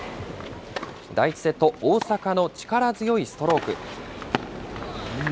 第１セット、大坂の力強いストローク。